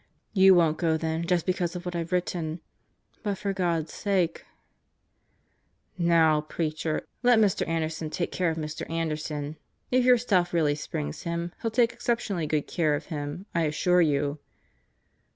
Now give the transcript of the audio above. You won't go then just because of what I've written. But for God's sake " "Now, Preacher, let Mr. Anderson take care of Mr. Anderson. If your stuff really springs him, he'll take exceptionally good care of him I assure you."